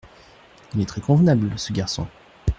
Il est très convenable, ce garçon…